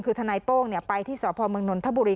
คือทนายโป้งไปที่สพมนนทบุรี